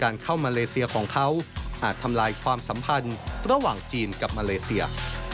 เข้ามาเลเซียของเขาอาจทำลายความสัมพันธ์ระหว่างจีนกับมาเลเซีย